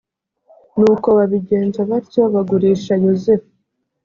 nuko babigenza batyo bagurisha yozefu